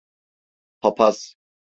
Papaz…